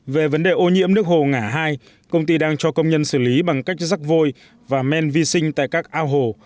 về vấn đề ô nhiễm nước hồ ngã hai công ty đang cho công nhân xử lý bằng cách rắc vôi và men vi sinh tại các ao hồ